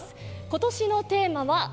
今年のテーマは「ＦＵＮ！